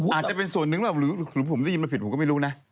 อาจจะเป็นส่วนนึงหรือผมได้ยินไปผิดพวกันก็ไม่รู้นะ